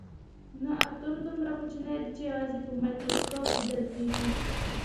نه اتوم دومره کوچنی دی چې یوازې په مایکروسکوپ لیدل کیږي